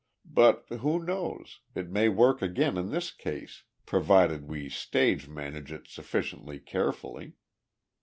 But, who knows, it may work again in this case provided we stage manage it sufficiently carefully."